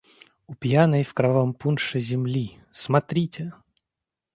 У пьяной, в кровавом пунше, земли — смотрите!